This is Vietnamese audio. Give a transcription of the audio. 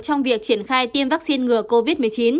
trong việc triển khai tiêm vaccine ngừa covid một mươi chín